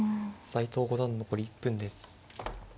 斎藤五段残り１分です。